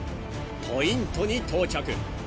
［ポイントに到着］